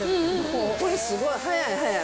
これすごい、速い、速い。